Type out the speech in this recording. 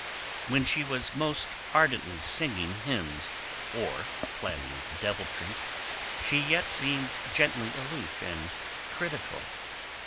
When she was most ardently singing hymns or planning deviltry she yet seemed gently aloof and critical.